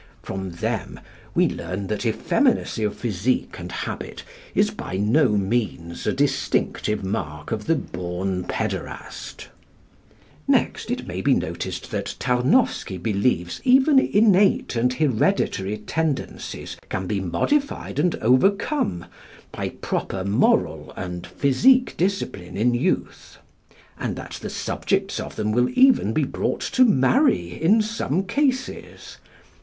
From them we learn that effeminacy of physique and habit is by no means a distinctive mark of the born pæderast. Next it may be noticed that Tarnowsky believes even innate and hereditary tendencies can be modified and overcome by proper moral, and physique discipline in youth, and that the subjects of them will even be brought to marry in some cases (pp.